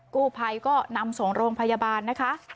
กู้ภัยก็นำส่งโรงพยาบาลนะคะ